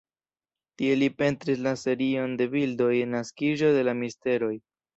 Tie li pentris la serion de bildoj Naskiĝo de la misteroj.